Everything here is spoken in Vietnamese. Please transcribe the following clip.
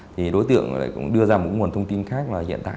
thì đối tượng cũng đưa ra một nguồn thông tin khác là hiện đang đi chơi ở hà nội